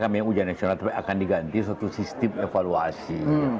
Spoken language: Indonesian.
kita mengatakan ujian nasional akan diganti satu sistem evaluasi